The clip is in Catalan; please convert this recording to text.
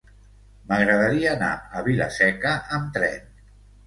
M'agradaria anar a Vila-seca amb tren.